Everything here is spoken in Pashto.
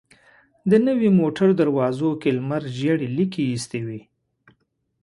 د نوې موټر دروازو کې لمر ژېړې ليکې ايستې وې.